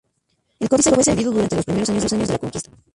El códice fue dividido durante los primeros años de la conquista.